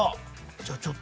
じゃあちょっとね